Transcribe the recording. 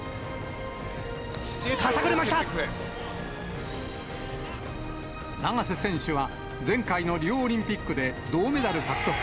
肩車、永瀬選手は前回のリオオリンピックで銅メダル獲得。